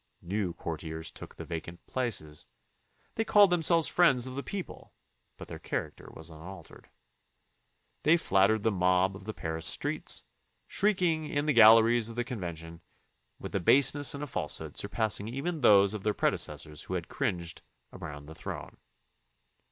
New courtiers took the vacant places. They called themselves friends of the people, but their character was unaltered. They flattered the mob of the Paris streets, shrieking in the galleries of the Con vention, with a baseness and a falsehood surpassing even those of their predecessors who had cringed around the throne.